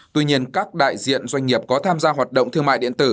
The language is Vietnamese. tuy nhiên các đại diện doanh nghiệp có tham gia hoạt động thương mại điện tử